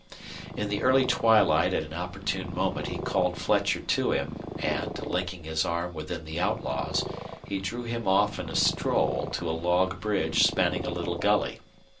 In the early twilight at an opportune moment he called Fletcher to him, and, linking his arm within the outlaw's, he drew him off in a stroll to a log bridge spanning a little gully.